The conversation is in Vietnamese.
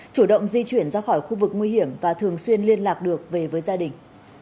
chủ động di chuyển ra khỏi khu vực nguy hiểm và thường xuyên liên lạc được về với gia đình